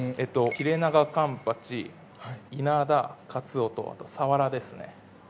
ヒレナガカンパチイナダカツオとあとサワラですね。